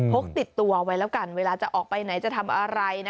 พกติดตัวไว้แล้วกันเวลาจะออกไปไหนจะทำอะไร